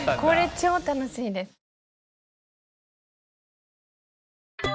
これ超楽しいです。